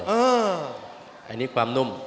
อันนี้ความนุ่ม